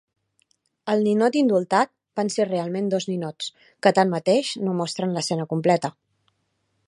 El ninot indultat van ser realment dos ninots, que tanmateix no mostren l'escena completa.